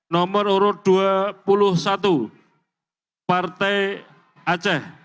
nomor urut dua puluh satu partai aceh